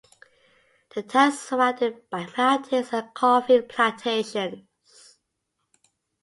The town is surrounded by mountains and coffee plantations.